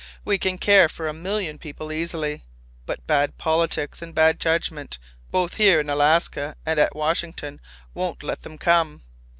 We can care for a million people easily. But bad politics and bad judgment both here in Alaska and at Washington won't let them come.